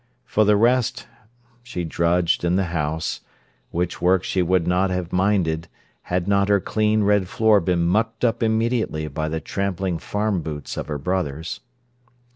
For the rest, she drudged in the house, which work she would not have minded had not her clean red floor been mucked up immediately by the trampling farm boots of her brothers.